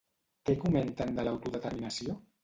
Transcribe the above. Què comenten de l'autodeterminació?